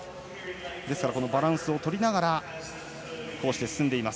ですから、バランスをとりながら進んでいます。